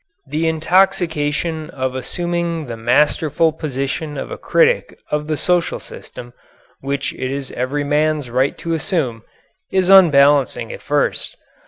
The intoxication of assuming the masterful position of a critic of the social system which it is every man's right to assume is unbalancing at first.